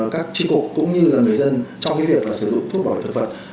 các tri cục cũng như là người dân trong cái việc là sử dụng thuốc bảo vệ thực vật